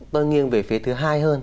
tôi nghiêng về phía thứ hai hơn